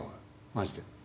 マジで。